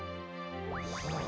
はあ。